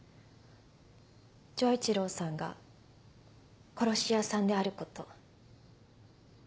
丈一郎さんが殺し屋さんであること。